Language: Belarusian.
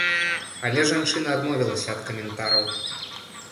Але жанчына адмовілася ад каментараў.